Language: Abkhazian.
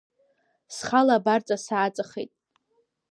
Схала абарҵа сааҵахеит.